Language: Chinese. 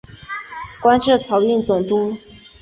官至漕运总督。